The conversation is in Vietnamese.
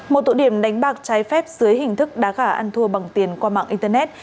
một tụ điểm đánh bạc trái phép dưới hình thức đá gà ăn thua bằng tiền qua mạng internet